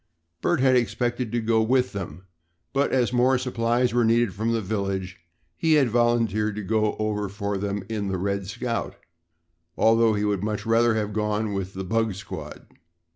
Bert had expected to go with them, but, as more supplies were needed from the village, he had volunteered to go over for them in the "Red Scout," although he would much rather have gone with the "bug squad."